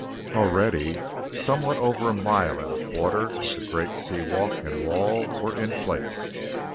Already somewhat over a mile and a quarter of the great sea walk and wall were in place.